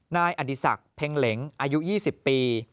นายอดีศักดิ์เพ็งเหล็งอายุ๒๐ปี